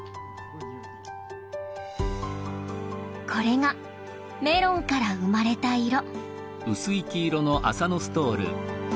これがメロンから生まれた色。